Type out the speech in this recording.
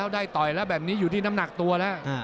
ได้โตยแล้วอยู่ในน้ำหนักตัวแล้ว